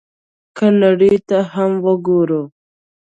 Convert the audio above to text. که نړۍ ته هم وګورو،